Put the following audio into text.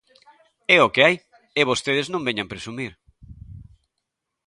É o que hai, e vostedes non veñan presumir.